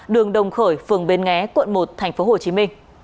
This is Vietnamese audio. đường đồng khởi phường bến nghé quận một tp hcm